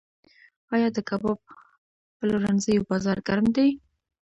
آیا د کباب پلورنځیو بازار ګرم دی؟